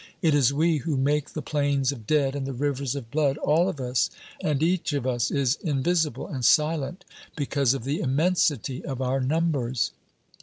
It is we who make the plains of dead and the rivers of blood, all of us, and each of us is invisible and silent because of the immensity of our numbers.